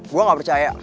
gue gak percaya